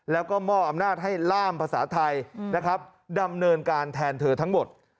แล้วก็มอบอำนาจให้ล่ามภาษาไทยนะครับดำเนินการแทนเธอทั้งหมด